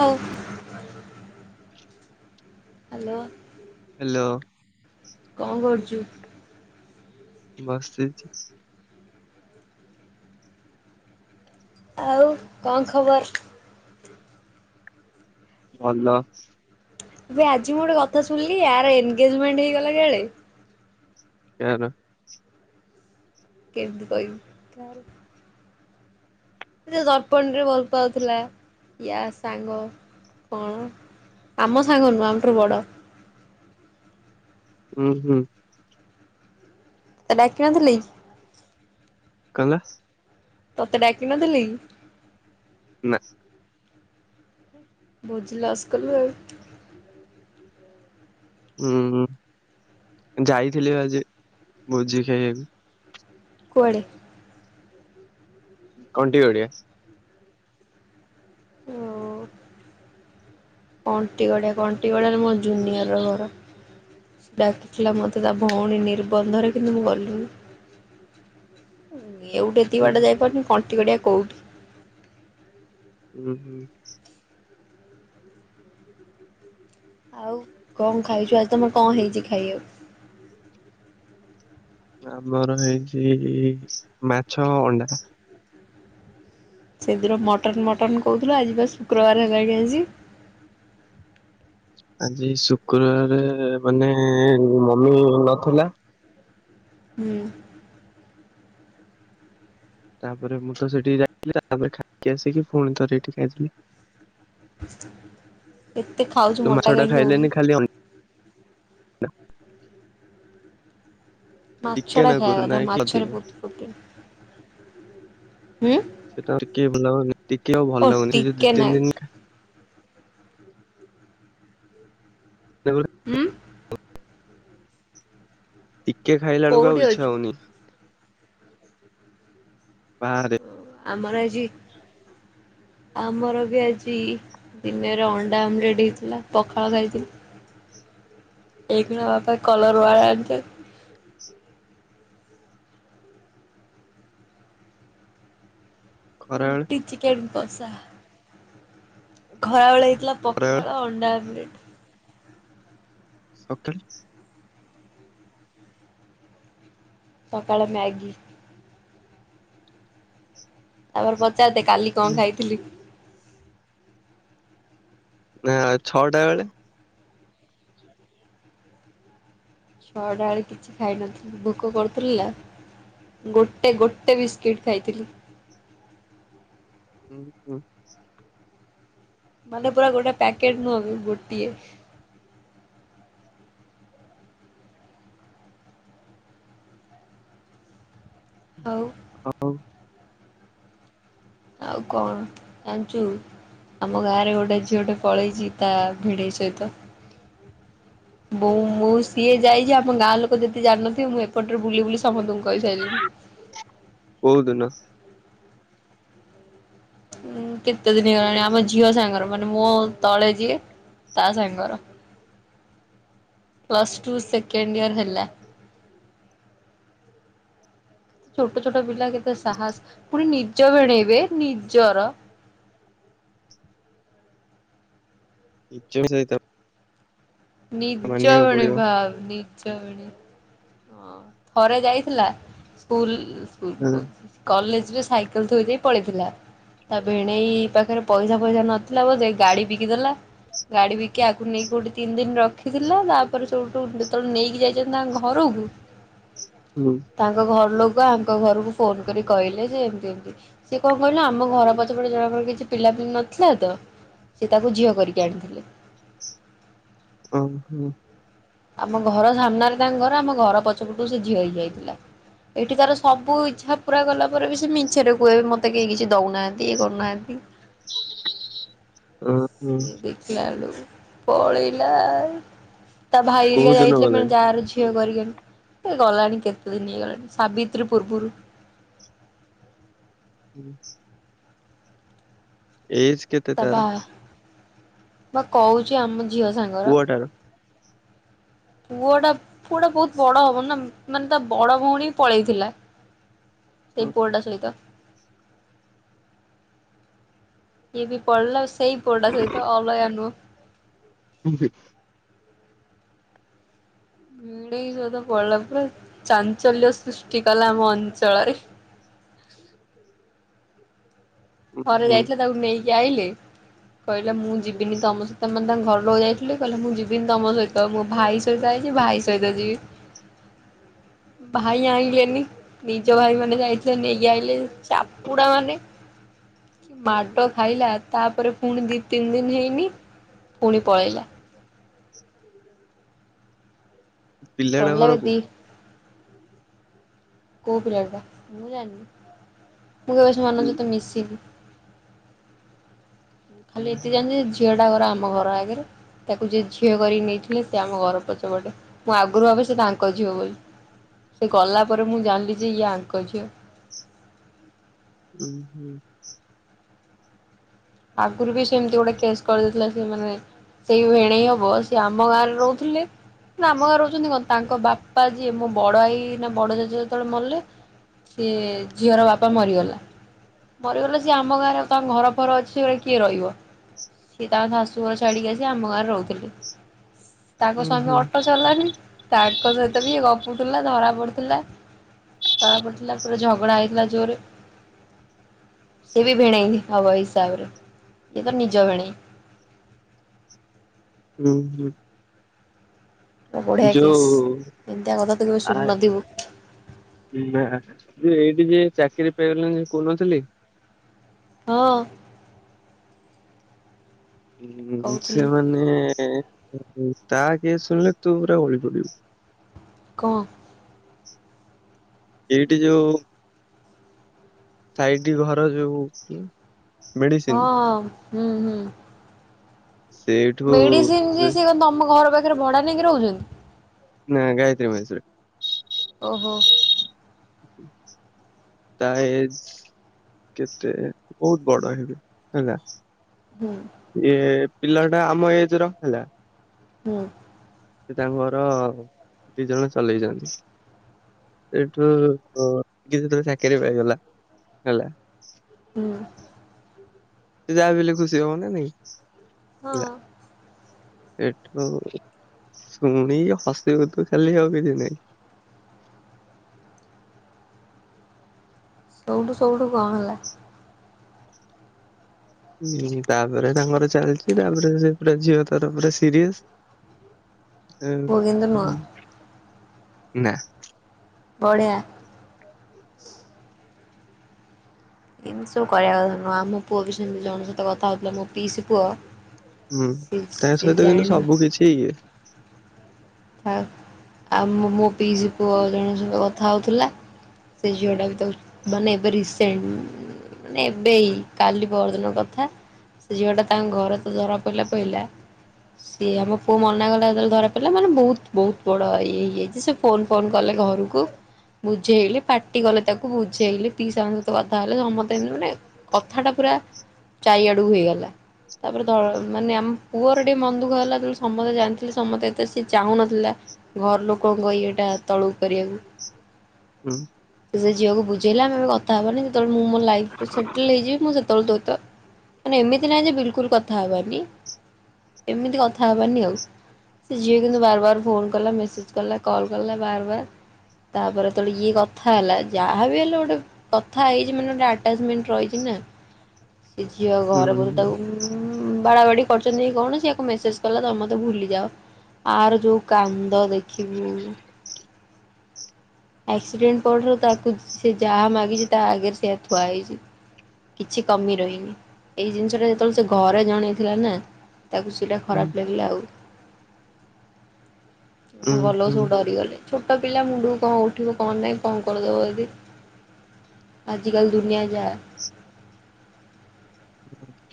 ହଉ। [inaudible] Hello. Hello. କଣ କରୁଚୁ? ବସଚି। ଆଉ କଣ ଖବର? ଭଲ। ଏ ଆଜି ମୁଁ ଗୋଟେ କଥା ଶୁଣିଲି ଆ ଏନଗେଜମେଣ୍ଟ ହେଇଗଲା ବେ? ଆର କେମିତି କହିବି। [inaudible] ଦର୍ପଣ ରେ ଭଲ ପାଉଥିଲା। ୟା ସାଙ୍ଗ କଣ? ଆମ ସାଙ୍ଗ ନୁହଁ ଆମଠାରୁ ବଡ। ଉଁହୁଁ। ତତେ ଡାକିନଥିଲେ। କଙ୍ଗ [unintelligible] ତତେ ଡାକି ନଥିଲେ କି? ନା। ଭୋଜିିଲସ କଲୁ ଆଉ। ହୁଁ ଯାଇଥିଲି। ଆଜି ଭୋଜି ଖାଇବାକୁ। କୁଆଡ଼େ? କଣ୍ଟି ଗଡିଆ। ଓ କଣ୍ଟିଗାଡ଼ିଆ ମୋ ଜୁନିୟର ଘର। ଡାକିଥିଲା ମତେ ତା ଭଉଣୀ ନିର୍ବନ୍ଧରେ କିନ୍ତୁ ମୁଁ ଗଲିନି। ଏଉଠି ହୁଁ ଏକିଟ ଯାଇପାରୁନି କ କଣ୍ଟି ଗାଡ଼ିଆ କଉଠି? ହୁଁ ହୁଁ। ଆଉ କଣ ଖାଇଛୁ ଆଜି ତମର କଣ ହେଇଛି ଖାଇବାକୁ? ଆମର ହେଇଛି ମାଛ ଅଣ୍ଡା ସେଦିନ ମଟନ ମଟନ କହୁଥିଲୁ। ଆଜି ବା ଶୁକ୍ରବାର ହେଲା କି ଆଜି। ଆଜି ଶୁକ୍ରବାରରେ ମାନେ ମମି ନଥିଲା। ହୁଁ। ତାପରେ ମୁଁ ତ ସେଠିକି ଯାଇଥିଲି। ତାପରେ ଖାଇକି ଆସିକି ପୁଣି ଥରେ ଏଇଠି ଖାଇଥିଲି। ପ [unintelligible] ଏତେ ଖାଉଛିୁ କିନ୍ତୁ ମାଛ ମୋଟା ଟା କାହିଁକି ଖାଇଲେନି ହଉନୁ? ଖାଲି ଅଣ୍ଡା ମାଛ ଟିକେ ଟା ନା ଖାଇବା କରୁ କଥା ନାଇଁ କି ମାଛରେ ଅଧିକ ବହୁତ ପ୍ରୋଟିନ୍ ହୁଁ ସେଟା ଟିକେଲନି ଟିକେ ଆଉ ଭଲ ଓ ଲାଗୁନି ସେ ଯ ଟିକେ ଦି ତିନି ନାଗୁରୁ ଦିନ ଉଁୁ। ଟିକେ ଖାଇଲା ବେଳକୁ କୋଉଠି ଆଉ ଇଚ୍ଛା ଅଛୁ ହଉନି। ବାହାରେ। ଆମର ଆଜି ଆମର ବି ଆଜି ଦିନରେ ଅଣ୍ଡା ଆମଲେଟ୍ ହେଇଥିଲା ପଖାଳ ଖାଇଥିଲି। ଏଇକିନା ବାପା କଲର ବାଳ ଆଣିଥିବେ। ଖରାବେଳେ ରୁଟି ଚିକେନ। କଶା। ଖରାବେଳେ ଥିଲା ଖରାବେଳେ ପଖାଳ ଅଣ୍ଡା ଆମଲେଟ। ଓକେ। ପକାଳ ମ୍ୟାଗି। ତା ପରେ ପଚା ଦେ କାଲି କଣ ଖାଇଥିଲି? ନା ଛଅଟା ବେଳେ। ଛ‌ଅଟା ବେଳେ କିଛି ଖାଇନଥିଲି ଭୋକ କରୁଥିଲା ଗୋଟେ ଗୋଟେ ବିସ୍କୁଟ ଖାଇଥିଲି। ହୁଁ ହୁଁ। ମାନେ ପୁରା ଗୋଟେ ପ୍ୟାକେଟ୍ ନୁହଁ ବି ଗୋଟିଏ। ହଉ। ଆଉ। ଆଉ କଣ ଜାଣିଛୁ ଆମ ଗାଁରେ ଗୋଟେ ଝିଅଟେ ପଳେଇଛି ତା ଭିଣେଇ ସହିତ। [inaudible] ବୋଉ ସିଏ ଯାଇଛି ଆମ ଗାଁ ଲୋକ ଯେତେ ଯାଣିନଥିବେ। ମୁଁ ଏପଟରେ ବୁଲି ବୁଲି ସମତ କହିସାଇଲିଣି। [inaudible] କୋଉ ଦିନ ଉ କେତେ ଦିନ ହେଲାଣି ଆମ ଝିଅ ସାଙ୍ଗର ମାନେ ମୋ ତଳେ ଯିଏ ତା ସାଙ୍ଗର। ପ୍ଲସ ଟୁ ସେକେଣ୍ଡ ଇୟର ହେଲା। [inaudible] ଛୋଟ ଛୋଟ ପିଲା କେତେ ସାହସ ପୁଣି ନିଜ ଭେଣେଇବେ ନିଜର। [unintelligible] ନିଜ ମାନିବାକୁ ଭିଣେଇ ପଡିବ। ଭାଉ ନି [inaudible] ହଁ ଥରେ ଯାଇଥିଲା ସ୍କୁଲ କଲେ ସାଇକେଲ ଥୋଇଦେଇ ପଳେଇଥିଲା। ତା ଭିଣେଇ ପାଖରେ ପଇସା ଫଇସା ନଥିଲା ବୋଧେ? ଗାଡ଼ି ବିକିଦେଲା ଗାଡ଼ି ବିକି ଆକୁ ନେଇକି କୋଉଠି ତିନି ଦିନ ରଖିଥିଲା। ତାପରେ ସବୁଠୁ ଯେତେବେଳେ ନେଇକି ଯାଇଛନ୍ତି ତାଙ୍କ ଘରକୁ ହୁଁ ତାଙ୍କ ଘର ଲୋ ଆଙ୍କ ଘରକୁ ଫୋନ କରି କହିଲେ। ଯେ ଏମିତି ଏମିତି ସେ କଣ କହିଲ? ଆମ ଘର ପଛପଟ ଜଣଙ୍କର କିଛି ପିଲାପିଲି ନଥିଲା ତ ସିଏ ତାକୁ ଝିଅ କରିକି ଆଣିଥିଲେ। ଓ ହୋ। ଆମ ଘର ସାମ୍ନାରେ ତାଙ୍କ ଘର ଆମ ଘର ପଛ ପଟୁ ସେ ଝିଅ ହେଇଯାଇଥିଲା। ଏଠି ତାର ସବୁ ଇଚ୍ଛା ପୁରା କଲା ପରେ ବି ସେ ମିଛରେ କୁହେ ବି? ମତେ କେହି କିଛି ଦଉନାହାନ୍ତି ଇଏ କରୁନାହାନ୍ତି। [inaudible] ଦେଖିଲାବେଳୁକୁ ପଳେଇଲା ଆଉ। ତା କୋଉ ଭାଇହରିକା ଦିନ ଯାଇଥିଲେ ଫେରେ ଗଲାଣି? ଗାଆଁ ର ଝିଅ। [unintelligible] ଏ ଗଲାଣି କେତେ ଦିନ ହେଇଗଲାଣି ସାବିତ୍ରୀ ପୂର୍ବରୁ। [inaudible] ଉଁ। ଏଜେ କେତେ ତା ବା ତାର? ବା କହୁଛି ଆମ ଝିଅ ସାଙ୍ଗର। ପୁଅଟାର? [inaudible] ପୁଅ ଟା ପୁଅ ଟା ବହୁତ ବଡ ହବନ ନା ମାନେ ତା ବଡ ଭଉଣୀ ପଳେଇଥିଲା। ସେ ପୁଅଟା ସହିତ। ଇଏବି ପଳିଲା ସେ ସେଇ ପୁଆଟା ସହିତ ଅଲଗା ନୁହଁ। [inaudible] [unintelligible] ପଳେଇଲା ପରା ଚାଞ୍ଚଲ୍ୟ ସୃଷ୍ଟି କଲା ଆମ ଅଞ୍ଚଳରେ। [inaudible] ଥରେ ହୁଁ ଯାଇଥିଲା ତାକୁ ନେଇକି ଇଏ ଆଇଲେ କହିଲା ମୁଁ ଯିବିନି ତମ ସହିତ ମାନେ ତାଙ୍କ ଘର ଲୋକ ଯାଇଥିଲେ। କହିଲେ ମୁଁ ଯିବିନି ତମ ସହିତ। ମୋ ଭାଇ ସହିତ ଆଇଛି ଭାଇ ସହିତ ଯିବି। [inaudible] ଭାଇ ଆଣିଲେନି ନିଜ ଭାଇ ମାନେ ଯାଇଥିଲେ ନେଇକି ଆଇିଲେ। ଚାପୁଡ଼ା ମାନେ। ମାଡ ଖାଇଲା ତାପରେ ପୁଣି ଦି ତିନି ଦିନ ହେଇନି ପୁଣି ପଳେଇଲା। ପିଲାଟା ପଢିଲା ଘର ବେ ଦି କୋଉଠି? [inaudible] କୋଉ ପିଲାଟା ମୁଁ ଜାଣିନି? ମୁଁ କେବେ ସେମାନଙ୍କ ଉଁ ସହିତ ମିଶିନି। ଖାଲି ଏତିକି ହୁଁ ଜାଣିଚି ଝିଅ ତାଙ୍କ ଘର ଆମ ଘର ଆଗରେ ତାକୁ ଯିଏ ଝିଅ କରି ନେଇଥିଲେ ସେ ଆମ ଘର ପଛପଟେ ମୁଁ ଆଗରୁ ଭାବେ ସେ ତାଙ୍କ ଝିଅ ବୋଲି ସେ ଗଲା ପରେ ମୁଁ ଜାଣିଲି ଯେ, ଏଇ ୟାଙ୍କ ଝିଅ। ଉଁ ହୁଁ ଆଗରୁ ବି ସେମିତି ଗୋଟେ କେସ୍ କରିଦେଇଥିଲା ସେ ମାନେ ସେଇ ଭେଣେଇ ହବ ସିଏ ଆମ ଗାଁରେ ରହୁଥିଲେ ନା ଆମ ଗାଁରେ ରହୁଛନ୍ତି କଣ ତାଙ୍କ ବାପା ଯିଏ ମୋ ବଡଭାଇ [unintelligible] କିଏ ରହିବ ସିଏ ତା ଶାଶୁ ଘର ଛାଡିକି ଆସି ଆମ ଗାଁରେ ରହୁଥିଲେ। ତାଙ୍କ ସ୍ୱାମୀ ଅଟୋ ଚଲାନ୍ତି, ତାଙ୍କ ସହିତ ବି ଇଏ [unintelligible] ଧରା ପଡ଼ିଥିଲା ଧରା ପଡ଼ିଥିଲା ପୁରା ଝଗଡ଼ା ହେଇଥିଲା ଜୋରରେ ସେ ବି ଭିଣେଇ ହବ ଏ ହିସାବରେ ଏଇ ତା ନିଜ ଭିଣେଇ। ହୁଁ ହୁଁ। ପୁରା ବଢ଼ିଆ କେଶ୍ ଯୋଉ ଏମିତିଆ କଥା କେବେ ଆ ଶୁଣି ନଥିବୁ। ନା ଏଇଠି ଯିଏ ଚାକିରି ପାଇଗଲାଣି କହୁନଥିଲି। ହଁ। ହ କହୁଥିଲୁ ସେମାନେ ତା କେସ ଶୁଣିଲେ ତୁା ପୁରା ଓହଳି ପଡିିବୁ। କଁ? ଏଇଠି ଯଉ ସାଇଡ ଘର ଯୋଉ ହଁ ମେଡିସିନ ହଁ ହଁ। ସେଇଠୁ ମେଡିସିନ ଯିଏ ସେ ପା ତମ ଘର ପାଖ ଭଡା ନେଇକି ରହୁଛନ୍ତି? ନାଁ ଗାୟତ୍ରୀ ମାଉସୀ ହଟି ଓ ହୋ ତା ଏଜ କେତେ ବହୁତ ବଡ ହେବେ ହେଲା। ହୁଁ ୟେ ପିଲାଟା ଆମ ଏଜର, ହେଲା ହୁଁ ସେ ଆମର ଦିଜଣ ଚଲେଇଛନ୍ତି ସେଇଠୁ କିଏ ଜଣେ ଚାକିରିୀ ପାଇଗଲା, ହେଲା। ହୁଁ। ସେ ଯାହାବି ହେଲେ ଖୁସି ହବନା ନାଇଁ ହଁ। ହେଲା ଏଠୁ ଶୁଣିି ହସିବୁ ତୁ ଖାଲି ଆଉ କିଛି ନାଇଁ ସେଉଠୁ ସେଉଠୁ କଣ ହେଲା? ହୁଁ ତାପରେ ତାଙ୍କର ଚାଲିଛି ତାପରେ ସେ ପୁରା ଝିଅତ ପୁରା ସିରିଏସ ହଁ ପୁଅ କିନ୍ତୁ ନୁହଁ ହୁଁ ନା ବଢିଆ ଏମିତି ସବୁ କହିବା କଥା ନୁହଁ ଆମ ପୁଅବି ସେମିତି ଜଣଙ୍କ ସହିତ କଥା ହଉଥିଲା ମୋ ପିଇସି ପୁଅ ହୁଁ ସେ ତା ସେ ସହିତ କିନ୍ତୁ ଜାଣି ସବୁ କିଛି ଇଏ ଆଉ ମୋ ମୋ ପିଇସି ପୁଅ ଜଣଙ୍କ ସହିତ କଥା ହଉଥିଲା ସେ ଝିଅଟା ବି ତାକୁ ମାନେ ଏବେ ରିସେଣ୍ଟ ମାନେ ଏବେ ଏଇ କାଲି ପହରଦିନ କଥା ସେ ଝିଅଟା ତାଙ୍କ ଘରେତ ଧରା ପଇଲା ପଇଲା ସିଏ ଆମ ପୁଅ ମନା କଲା ଯେତେବେଳେ ଧରାପଡ଼ିଲା ମାନେ ବହୁତ ବହୁତ ବଡ ଇଏ ହେଇଯାଇଛି ସେ ଫୋନ ଫୋନ କଲେ ଘରକୁ ବୁଝେଇଲେ ପାଟିକଲେ ତାକୁ ବୁଝେଇଲେ ପିଇସାଙ୍କଟସହିତ କଥା ହେଲେ ସମସ୍ତେ ଏମିତି ମାନେ କଥା ଟା ପୁରା ଚାଇିଆଡୁକୁ ହେଇଗଲା ତାପରେ ଧ ମାନେ ଆମ ପୁଅର ଟିକେ ମନଦୁଃଖ ହେଲା ତେଣୁ ସମସ୍ତେ ଜାଣିଥିଲେ ସମସ୍ତେ ଏତେ ସି ଚାହୁଁ ନଥିଲା ଘର ଲୋକଙ୍କ ଇଏଟା ତଳୁକୁ କରିବାକୁ ହୁଁ ସେ ଝିଅକୁ ବୁଝେଇଲେ ଆମେ ବି କଥା ତାମାନେ ଯେତେବେଳେ ମୁଁ ମୋ ଲାଇଫରେ ସେଟଲ ହେଇଯିବି ମୁଁ ସେତବେଳେ ତୋ ସଇତ ଏମିତି ନାହିଁଯେ ବିଲିକୁଲ କଥାହେବାନି ଏମିତି କଥାହବାନି ଆଉ ଯିଏ କିନ୍ତୁ ବାରବାର ଫୋନ କଲା ମେସେଜ କଲା କଲକଲା ବାରବାର ତାପରେ ତ ଇଏ କଥା ହେଲା ଯାହାବି ହେଲେ ଗୋଟେ କଥା ହେଇଛି ମାନେ ଗୋଟେ ଅଟଚମେଣ୍ଟ ରହିଛି ନା ସେ ଝିଅ ହୁଁ ଘର ହୁଁ। ବୁଲୁଥାଉ ବାଡା ବାଡି କରିଚନ୍ତି କି କଣ ସିଏ ମେସେଜ କଲା ତମେମତେ ଭୁଲିଯାଅ ଆର ଯୋଉ କାନ୍ଦ ଦେଖିବୁ ଆକ୍ସିଡେଣ୍ଟ ପରଠାରୁ ତାକୁ ସେ ଯାହା ମାଗିଛି ତା ଆଗରେ ସେୟା ଥୁଆ ହେଇଛି କିଛି କମି ରହିନି ଏଇ ଜିନିସଟା ଯେତେବେଳେ ସେ ଘରେ ଜଣେଇଥିଲା ନା ତାକୁ ସେଇଟା ହୁଁ ଖରାପ ଲାଗିଲା ଆଉ ହୁଁ ଘର ଲୋକ ହୁଁ ସବୁ ଡରି ଗଲେ ଛୋଟା ପିଲା ଇଲା ମୁଣ୍ଡକୁ କଣ ଗୋ ଉଠ କଣ ନାହି କଣ କରି ଦବ ଯଦି ଏ ଆଯି କାଲି ଦୁନିଆ ଯାହା।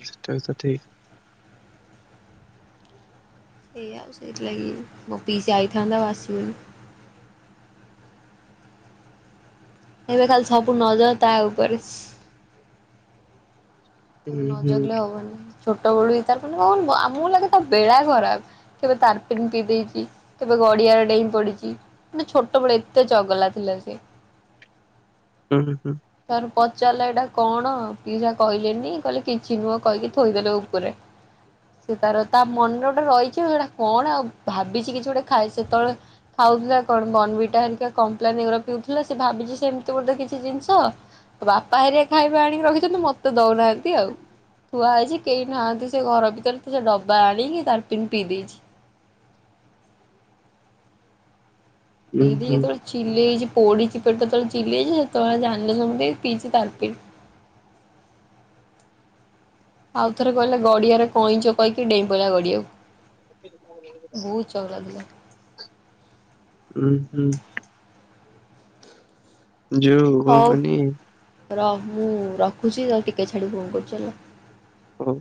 ସେଟା ବି ତ ଠିକ। ଏଇ ଆ ସେଇଥି ଲାଗି ମୋ ପିଇସି ଆଈଥାନ୍ତା ଆଉ ଆସିବନି। ଏବେ ଖାଲି ସବୁ ନଜର ତା ଉପରେ ହୁଁ ନ ହୁଁ ଜଗିଲେ ହବନି ଛୋଟ ବୋଲି ତାର ମାନେ କ ଆମକୁ ଲାଗେ ତା ବେଳା ଖରାପ କେବେ ତାରଫିନ ପିଇଦେଇଛି କେବେ ଗଡିଆରେ ଡେଇଁ ପଡିଛି ମାନେ ଛୋଟବେଳୁ ଏତେ ଚଗଲା ଥିଲା ସେ ହୁଁ ହୁଁ ତାର ପଚାରିଲା ଏଇଟା କଣ ପିଲା କହିଲେନି କହିଲେ କିଛି ନୁହଁ କହିକି ଥୋଇଦେଲେ ଉପରେ ସେ ତାର ତା ମନରେ ଗ ସେଟା କଣ ଆଉ ଭାବିଛି କିଛି ଗୋଟେ ଖାଇ ସେତେବେଳେ ଖାଉଥିଲା କଣ ବନବିଟା ଆଉ କମ୍ପଲାନିର ପିଉଥିଲା ସେ ଭାବିଛି ସେମିତି ଗୋଟେ କିଛି ଜିନିଷ ବାପା ହେରିକା ଖାଇବା ଆଣିକି ରଖିଛନ୍ତି ମତେ ଦଉନାହାନ୍ତି ଆଉ ଥୁଆ ହେଇଛି କେହି ନାହାନ୍ତି ସେ ଘର ଭିତରେ ତ ସେ ଡବା ଆଣିକି ତାରପିନ ପିଇ ଦେଇଛି। ଉଁ ଇଏ ବି ହୁଁ ଯେତେବେଳେ ଚିଲେଇଛି ପୋଡ଼ିଚି ପେଟତଳେ ଚିଲେଇଚି ସେତେବେଳେ ଜାଣିଲେ ସମସ୍ତେ କି ପିଚି ତାଲପି ଆଉଥରେ କହିଲା ଗଡିଆରେ କଇଁଚ କହିକି ଡେଇଁପଇଲା ଗଡିଆକୁ। ବହୁତ ଚଗଲା ଥିଲା। ହୁଁ ହୁଁ। ଯଉ କଣ କହନି? ର ମୁଁ ରଖୁଛି ତତେ ଟିକେ ଛାଡ଼ି ଫୋନ୍ କରୁଛି ହେଲା। ହଉ।